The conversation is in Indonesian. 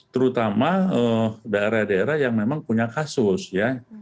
terutama daerah daerah yang memang punya kasus ya